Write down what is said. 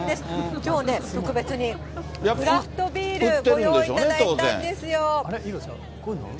きょうね、特別にクラフトビール、ご用意いただいたんですよ。